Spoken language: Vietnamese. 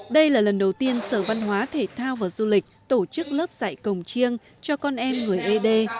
đây là lần đầu tiên sở văn hóa thể thao và du lịch tổ chức lớp dạy cồng chiêng cho con em người ế đê